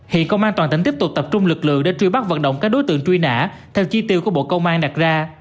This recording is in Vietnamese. hiện công an toàn tỉnh tiếp tục tập trung lực lượng để truy bắt vận động các đối tượng truy nã theo chi tiêu của bộ công an đặt ra